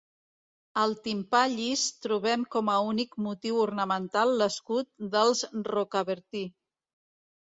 Al timpà llis trobem com a únic motiu ornamental l'escut dels Rocabertí.